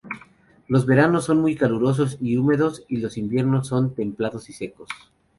Los veranos son muy calurosos y húmedos, y los inviernos son templados y secos.